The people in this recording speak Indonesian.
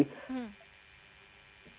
terima kasih kesempatannya mas yudi mbak aledi